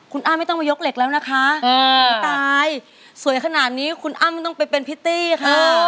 คุณอ้ำไม่ต้องมายกเหล็กแล้วนะคะตายสวยขนาดนี้คุณอ้ำต้องไปเป็นพิตตี้ค่ะ